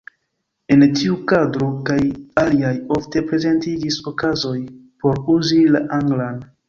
En tiu kadro kaj aliaj, ofte prezentiĝis okazoj por uzi la anglan.